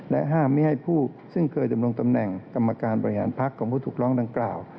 ห้ามไม่ให้ผู้ซึ่งเคยดำรงตำแหน่งกรรมการบริหารพักของผู้ถูกร้องดังกล่าว